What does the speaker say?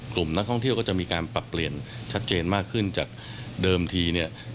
กลุ่มนักท่องเที่ยวก็จะมีการปรับเปลี่ยนชัดเจนมากขึ้นจากเดิมทีเนี่ย